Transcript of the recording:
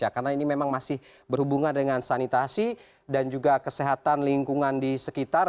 karena ini memang masih berhubungan dengan sanitasi dan juga kesehatan lingkungan di sekitar